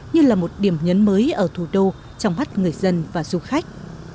như là một điểm nhấn mới ở thủ đô trong mắt người dân và du khách